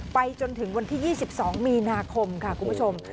ไปจนถึงวันที่๒๒มีนาคมค่ะคุณผู้ชม